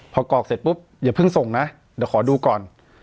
พอกรอกเสร็จปุ๊บอย่าเพิ่งส่งนะเดี๋ยวขอดูก่อน